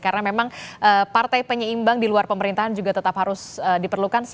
karena memang partai penyeimbang di luar pemerintahan juga tetap harus diperlukan